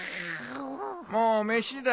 もう飯だ。